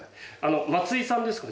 松井さんですか？